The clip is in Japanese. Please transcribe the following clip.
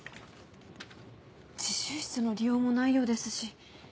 自習室の利用もないようですし。